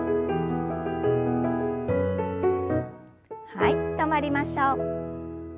はい止まりましょう。